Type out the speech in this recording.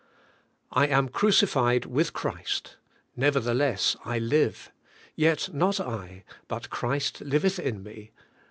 'I am crucified with Christ : nevertheless I live ; yet not I, but Christ liveth in me.